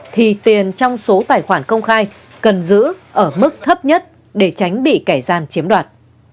thì tiền trong số tài khoản công khai cần giữ ở mức thấp nhất để tránh bị kẻ gian chiếm đoạt